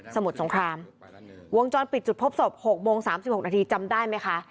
สมุดสงครามวงจรติดพบศพหกโมงสามสิบหกนาทีจำได้ไหมคะ